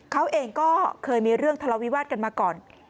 เขาเองก็เคยมีเรื่องทะเลาวิวาสกันมาก่อน